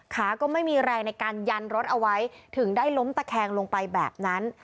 ก็ไม่มีแรงในการยันรถเอาไว้ถึงได้ล้มตะแคงลงไปแบบนั้น